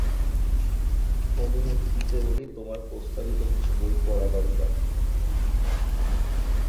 অনুমতি দিলে বলি, তোমার প্রস্তাবিত কিছু বই পড়া দরকার।